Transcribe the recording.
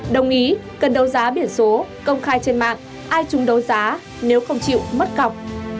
đồng ý cần đấu giá biển số công khai trên mạng ai chúng đấu giá nếu không chịu mất cọc